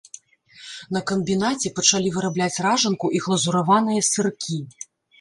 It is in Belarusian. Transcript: На камбінаце пачалі вырабляць ражанку і глазураваныя сыркі.